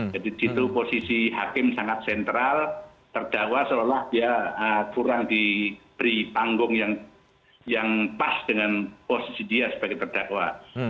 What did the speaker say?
jadi di situ posisi hakim sangat sentral terdakwa seolah olah dia kurang diberi panggung yang pas dengan posisi dia sebagai terdakwa